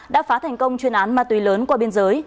đã phá thành công chuyên án ma túy lớn qua biên giới